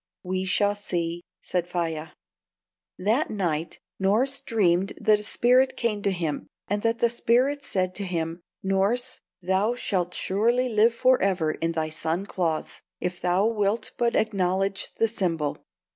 "We shall see," said Faia. That night Norss dreamed that a spirit came to him, and that the spirit said to him: "Norss, thou shalt surely live forever in thy son Claus, if thou wilt but acknowledge the symbol."